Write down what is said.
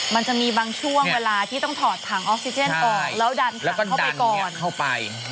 มันจะมีบางช่วงเวลาที่ต้องถอดถังออกซิเจนออกแล้วดันถังเข้าไปก่อนเข้าไป